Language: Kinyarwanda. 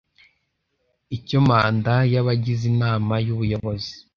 icya manda y abagize inama y ubuyobozi